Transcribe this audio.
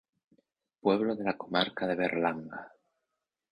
Pueblo de la comarca de Berlanga.